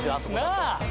なあ。